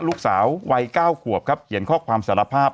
ลูกสาววัย๙ขวบครับเขียนข้อความสารภาพ